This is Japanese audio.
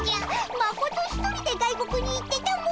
マコト一人で外国に行ってたも！